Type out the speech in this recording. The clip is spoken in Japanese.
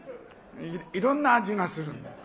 いろんな味がする。